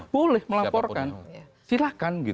boleh melaporkan silahkan gitu